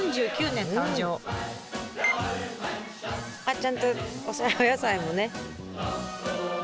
ちゃんとお野菜もね。